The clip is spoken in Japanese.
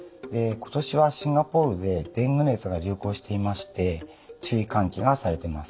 今年はシンガポールでデング熱が流行していまして注意喚起がされてます。